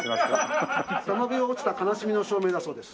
多摩美を落ちた悲しみの照明だそうです。